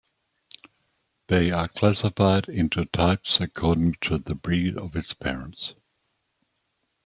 They are classified into types according to the breed of its parents.